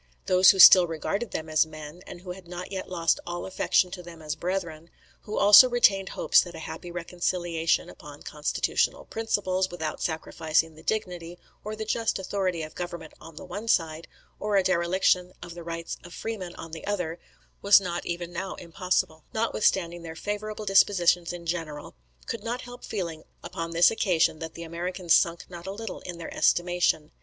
Those who still regarded them as men, and who had not yet lost all affection to them as brethren, who also retained hopes that a happy reconciliation upon constitutional principles, without sacrificing the dignity or the just authority of government on the one side, or a dereliction of the rights of freemen on the other, was not even now impossible, notwithstanding their favourable dispositions in general, could not help feeling upon this occasion that the Americans sunk not a little in their estimation.